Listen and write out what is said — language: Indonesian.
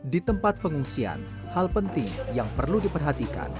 di tempat pengungsian hal penting yang perlu diperhatikan